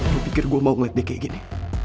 aku pikir gue mau ngeliat dia kayak gini